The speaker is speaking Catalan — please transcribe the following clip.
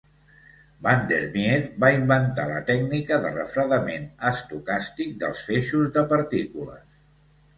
Van der Meer va inventar la tècnica de refredament estocàstic dels feixos de partícules.